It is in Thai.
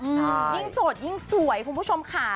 ยิ่งโสดยิ่งสวยคุณผู้ชมค่ะ